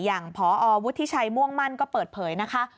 อย่างพอวุฒิชัยม่วงมั่นก็เปิดเผยนะคะ